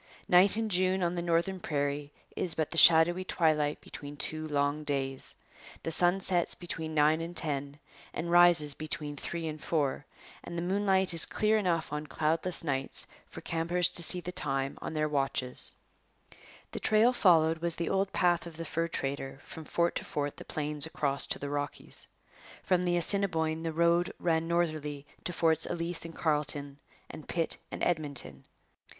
Night in June on the northern prairie is but the shadowy twilight between two long days. The sun sets between nine and ten, and rises between three and four, and the moonlight is clear enough on cloudless nights for campers to see the time on their watches. [Illustration: A Red River cart. From a photograph.] The trail followed was the old path of the fur trader from fort to fort 'the plains across' to the Rockies. From the Assiniboine the road ran northerly to Forts Ellice and Carlton and Pitt and Edmonton.